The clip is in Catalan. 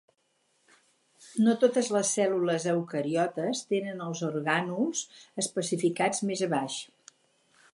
No totes les cèl·lules eucariotes tenen els orgànuls especificats més abaix: